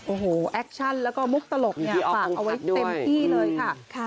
โอ้โหแอคชั่นแล้วก็มุกตลกเนี่ยฝากเอาไว้เต็มที่เลยค่ะ